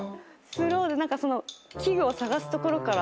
スローで何かその器具を探すところから。